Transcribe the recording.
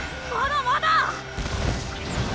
まだまだ！